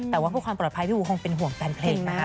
แต่ว่าเพื่อความปลอดภัยพี่บูคงเป็นห่วงแฟนเพลงนะคะ